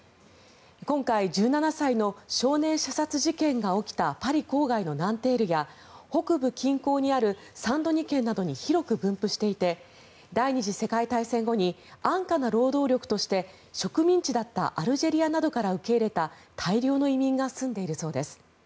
今回、１７歳の少年射殺事件が起きたパリ郊外のナンテールや北部近郊にあるサン・ドニ県などに広く分布していて第２次世界大戦後に安価な労働力として植民地だったアルジェリアなどから受け入れた大量の移民が住んでいるそうです。